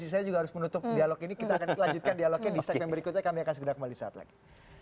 kita akan dilanjutkan dialognya di segmen berikutnya kami akan segera kembali saat lagi